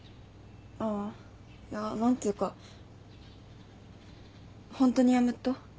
ああいや何つうかホントにやめっと？